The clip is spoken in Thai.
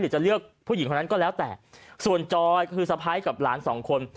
จะเลือกผู้หญิงคนนั้นก็แล้วแต่ส่วนจอยคือสะพ้ายกับหลานสองคน